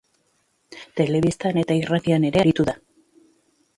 Telebistan eta irratian ere aritua da.